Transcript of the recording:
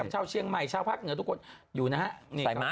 เช่าเชียงใหม่เช่าพักเหนือทุกคนอยู่นะ